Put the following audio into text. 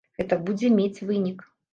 Гэта будзе мець вынік.